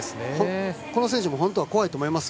この選手も本当は怖いと思います。